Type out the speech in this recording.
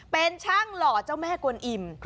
เป็นช่างหล่อเจ้าแม่กวนอิ่ม